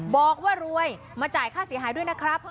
บอกว่ารวยมาจ่ายค่าเสียหายด้วยนะครับ